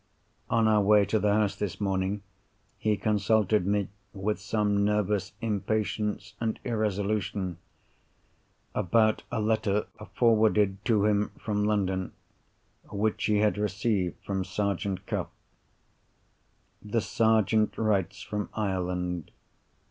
On our way to the house, this morning, he consulted me, with some nervous impatience and irresolution, about a letter (forwarded to him from London) which he had received from Sergeant Cuff. The Sergeant writes from Ireland.